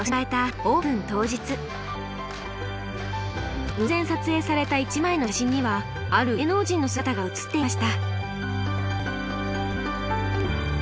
この日偶然撮影された１枚の写真にはある芸能人の姿が写っていました。